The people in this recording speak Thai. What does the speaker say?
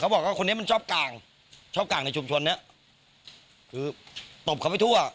เขาก็บอกว่าคนนี้มันชอบกลางในชุมชนน่ะคือตบเขาไปทั่ว